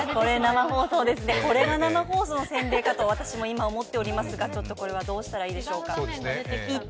これが生放送の洗礼かと思っていますがちょっとこれはどうしたらいいでしょうか。